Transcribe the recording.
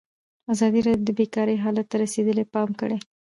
ازادي راډیو د بیکاري حالت ته رسېدلي پام کړی.